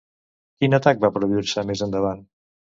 Quin atac va produir-se més endavant?